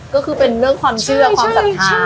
ก็คือเป็นเรื่องความเชื่อความศรัทธา